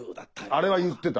あれは言ってた。